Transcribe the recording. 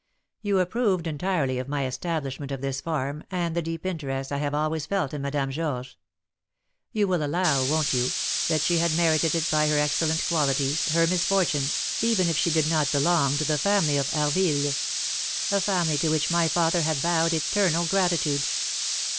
You approved entirely of my establishment of this farm, and the deep interest I have always felt in Madame Georges. You will allow, won't you, that she had merited it by her excellent qualities, her misfortunes, even if she did not belong to the family of Harville, a family to which my father had vowed eternal gratitude."